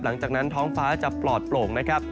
หลังจากนั้นท้องฟ้าจะปลอดโปร่งนะครับ